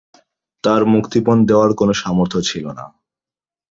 তার মুক্তিপণ দেওয়ার কোন সামর্থ্য ছিল না।